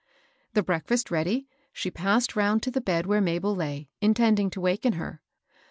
The breakfast ready, she passed round to the bed where Mabel lay, intending to waken her.